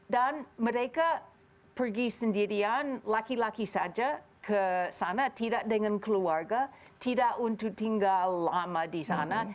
dan mereka pergi sendirian laki laki saja ke sana tidak dengan keluarga tidak untuk tinggal lama di sana